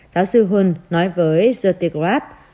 giáo sư hund nói với the telegraph